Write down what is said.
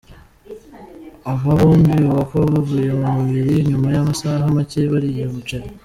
Aba bombi bivugwa ko bavuye mu mubiri nyuma y’amasaha make bariye umuceri.